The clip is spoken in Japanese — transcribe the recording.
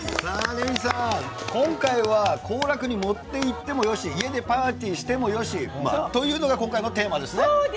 レミさん、今回は行楽に持っていってもよし家でパーティーしてもよしというのが今回のテーマですね。